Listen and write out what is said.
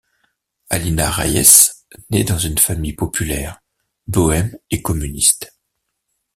Alina Reyes naît dans une famille populaire, bohème et communiste.